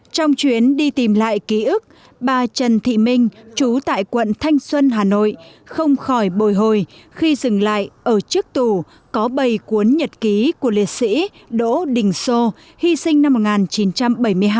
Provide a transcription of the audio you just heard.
trong chuyến đi tìm lại ký ức bà trần thị minh chú tại quận thanh xuân hà nội không khỏi bồi hồi khi dừng lại ở trước tù có bầy cuốn nhật ký của liệt sĩ đỗ đình sô hy sinh năm một nghìn chín trăm bảy mươi hai